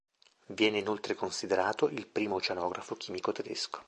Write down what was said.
Viene inoltre considerato il primo oceanografo chimico tedesco.